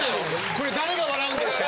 これ誰が笑うんですか。